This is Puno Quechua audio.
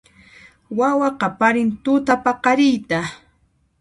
Wawa qaparin tutapaqariyta